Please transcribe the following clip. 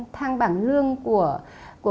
thang bảng lương của